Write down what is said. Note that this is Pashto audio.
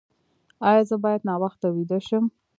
ایا زه باید ناوخته ویده شم؟